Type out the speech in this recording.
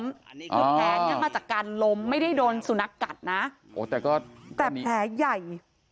แผลมาจากการล้มไม่ได้โดนสูนักกัดนะแต่แผลใหญ่